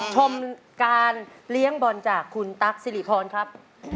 ชมการเลี้ยงบอลจากคุณตั๊กสิริพรครับ